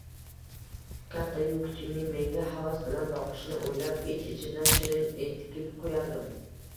Kattayu kichikning menga havas bilan boqishini o`ylab, ich-ichimda shirin entikib qo`yardim